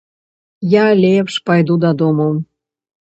Я лепш пайду дадому.